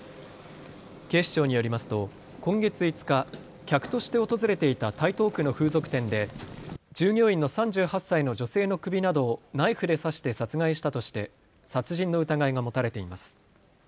警視庁によりますと今月５日、客として訪れていた台東区の風俗店で従業員の３８歳の女性の首などをナイフで刺して殺害したとして殺人の疑いが持たれています。